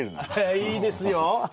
いいですよ！